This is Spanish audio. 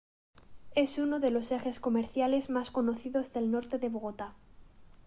Es uno de los ejes comerciales más conocidos del norte de Bogotá.